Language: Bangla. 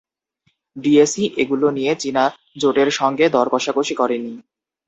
ডিএসই এগুলো নিয়ে চীনা জোটের সঙ্গে দর কষাকষি করেনি।